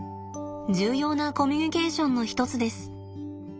重要なコミュニケーションの一つです。